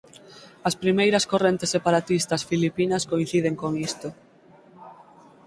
As primeiras correntes separatistas filipinas coinciden con isto.